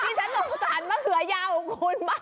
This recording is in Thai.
ฉันสงสารมะเขือยาวของคุณมาก